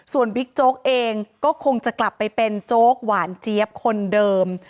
ส่วนบิ๊กโจ๊กเองก็คงจะกลับไปเป็นโจ๊กหวานเจี๊ยบคนเดิม